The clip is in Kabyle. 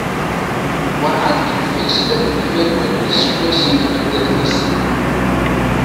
Warɛad teqfil snat n tmerwin n yiseggasen deg tudert-is.